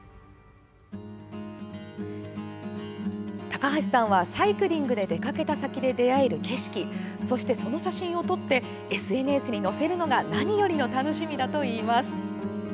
高橋さんはサイクリングで出かけた先で出会える景色そして、その写真を撮ってＳＮＳに載せるのが何よりの楽しみだといいます。